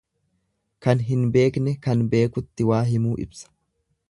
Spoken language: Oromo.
Kan hin beekne kan beekutti waa himuu ibsa.